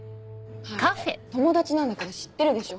はい友達なんだから知ってるでしょ？